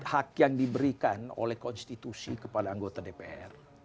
hak yang diberikan oleh konstitusi kepada anggota dpr